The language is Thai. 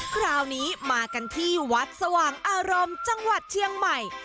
คราวนี้มากันที่วัดสว่างอารมณ์จังหวัดเชียงใหม่